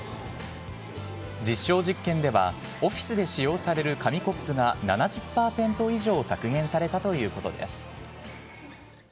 実証実験では、オフィスで使用される紙コップが７０％以上削減されたということです。